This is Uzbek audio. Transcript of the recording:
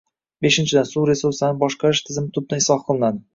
Beshinchidan, suv resurslarini boshqarish tizimi tubdan isloh qilinadi.